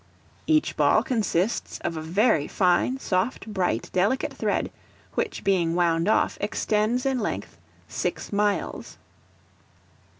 Each ball consists of a very fine, soft, bright, delicate thread, which being wound off, extends in length six miles.